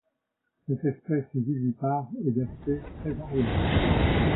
Cette espèce est vivipare et d'aspect très variable.